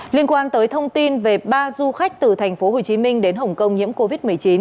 liên quan tới thông tin về ba du khách từ tp hcm đến hồng kông nhiễm covid một mươi chín